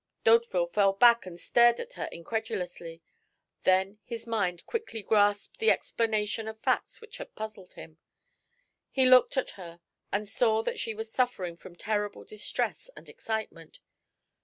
D'Hauteville fell back and stared at her incredulously. Then his mind quickly grasped the explanation of facts which had puzzled him. He looked at her and saw that she was suffering from terrible distress and excitement.